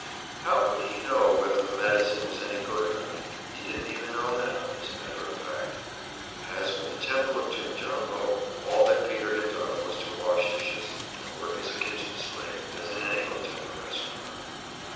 How could he know whether the medicine was any good or not he didn't even know now, as a matter of fact. As for the Temple of Jimjambo, all that Peter had done was to wash dishes and work as a kitchen slave, as in any hotel or restaurant.